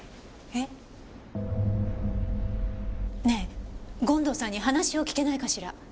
えっ？ねえ権藤さんに話を聞けないかしら？